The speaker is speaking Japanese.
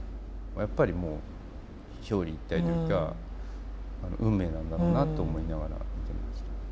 やっぱりもう表裏一体というか運命なんだろうなと思いながら見てました。